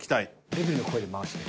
デビルの声で回して。